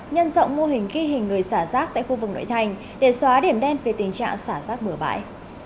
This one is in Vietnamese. nhân rộng mô hình ghi hình người xả rác tại khu vực nội thành để xóa điểm đen về tình trạng xả rác bửa bãi